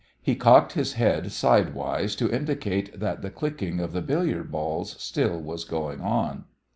He cocked his head sidewise to indicate that the clicking of the billiard balls still was going on.